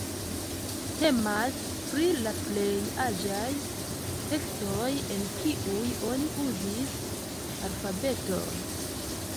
Temas pri la plej aĝaj tekstoj, en kiuj oni uzis alfabeton.